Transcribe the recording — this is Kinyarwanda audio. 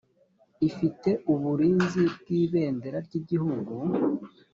ifite uburinzi bw ibendera ry igihugu